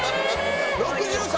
６３